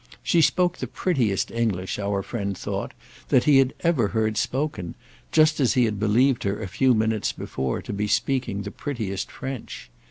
She spoke the prettiest English, our friend thought, that he had ever heard spoken, just as he had believed her a few minutes before to be speaking the prettiest French.